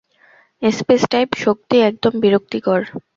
Space-type শক্তি একদম বিরক্তিকর!